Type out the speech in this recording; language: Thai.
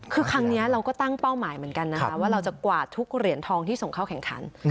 คือครั้งนี้เราก็ตั้งเป้าหมายเหมือนกันนะคะว่าเราจะกวาดทุกเหรียญทองที่ส่งเข้าแข่งขัน